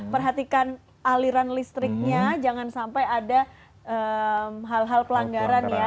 perhatikan aliran listriknya jangan sampai ada hal hal pelanggaran ya